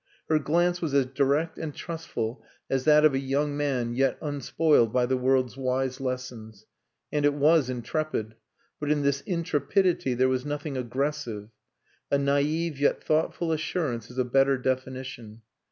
Her glance was as direct and trustful as that of a young man yet unspoiled by the world's wise lessons. And it was intrepid, but in this intrepidity there was nothing aggressive. A naive yet thoughtful assurance is a better definition.